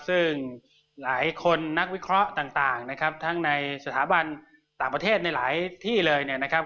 ซึ่งหลายคนนักวิเคราะห์ต่างนะครับทั้งในสถาบันต่างประเทศในหลายที่เลยเนี่ยนะครับ